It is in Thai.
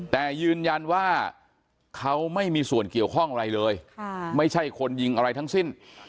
แต่ยืนยันว่าเขาไม่มีส่วนเกี่ยวข้องอะไรเลยไม่ใช่คนยิงอะไรทั้งสิ้น